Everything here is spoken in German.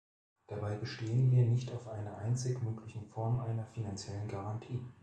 Dabei bestehen wir nicht auf einer einzig möglichen Form einer finanziellen Garantie.